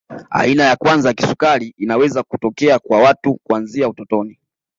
Aina ya kwanza ya kisukari inaweza kutokea kwa watu kuanzia utotoni